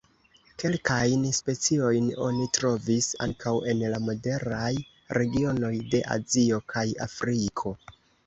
Kelkajn speciojn oni trovis ankaŭ en la moderaj regionoj de Azio kaj Afriko.